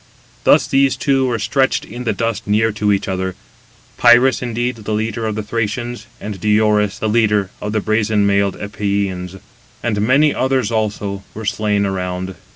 Thus these two were stretched in the dust near to each other; Pirus, indeed, the leader of the Thracians, and Diores, the leader of the brazen mailed Epeans; and many others also were slain around.